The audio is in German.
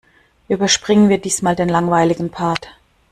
Überspringen wir diesmal den langweiligen Part.